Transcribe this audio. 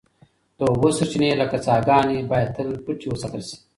د اوبو سرچینې لکه څاګانې باید تل پټې وساتل شي.